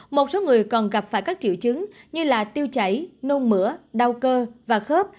một số người còn gặp phải các triệu chứng như tiêu chảy nôn mửa đau cơ và khớp